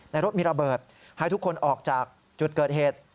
รถมีระเบิดให้ทุกคนออกจากจุดเกิดเหตุ